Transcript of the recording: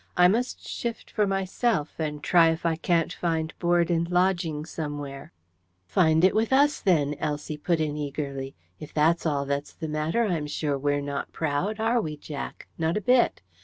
I must shift for myself, and try if I can't find board and lodging somewhere." "Find it with us then!" Elsie put in eagerly. "If that's all that's the matter, I'm sure we're not proud are we, Jack? not a bit.